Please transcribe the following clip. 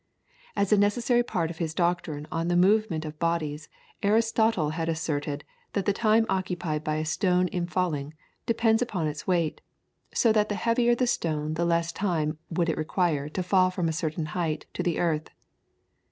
As a necessary part of his doctrine on the movement of bodies Aristotle had asserted that the time occupied by a stone in falling depends upon its weight, so that the heavier the stone the less time would it require to fall from a certain height to the earth.